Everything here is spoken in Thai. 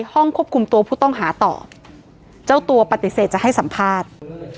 ห้องควบคุมตัวผู้ต้องหาต่อเจ้าตัวปฏิเสธจะให้สัมภาษณ์